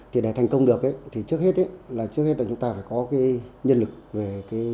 thì để thành công được thì trước hết chúng ta phải có nhân lực về